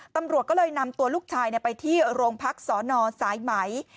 ตำรวจก็เลยนำตัวลูกชายไปที่โรงพักสนสายไหม